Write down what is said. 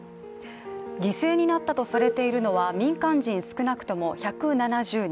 犠牲になったとされているのは民間人少なくとも１７０人。